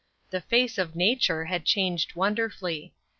The face of nature had changed wonderfully.